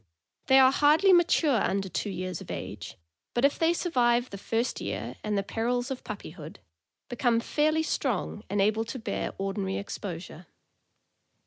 They are hardly mature under two years of age, but if they survive the first year and the perils of puppyhood, become fairly strong and able to bear ordi nary exposure.